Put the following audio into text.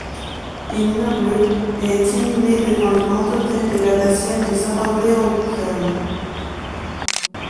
Il meurt le et est inhumé devant le grand autel de l'abbatiale de Saint-André-en-Gouffern.